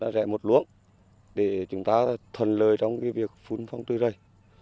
rẻ một luống để chúng ta thuần lời trong việc phun phong trư rầy